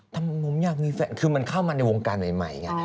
โทรครึ่งมันเข้าผู้หมาในวงการใหม่อย่างเงี้ย